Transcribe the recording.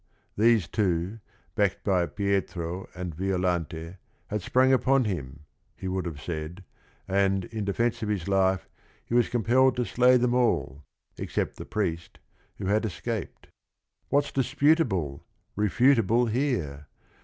These two, backed by Pietro and Violante, had sprung upon him, he would have said, and in defence of his life he was compelled to slay them all, except the priest, who had escaped. "What 's disputable, refutable here?